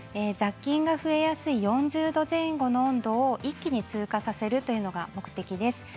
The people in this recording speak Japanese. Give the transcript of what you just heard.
雑菌が増えやすい４０度前後の温度を一気に通過させるというのが目的です。